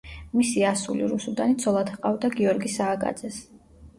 მისი ასული რუსუდანი ცოლად ჰყავდა გიორგი სააკაძეს.